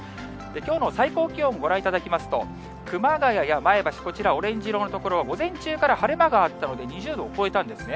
きょうの最高気温ご覧いただきますと、熊谷や前橋、こちら、オレンジ色の所、午前中から晴れ間があったので、２０度を超えたんですね。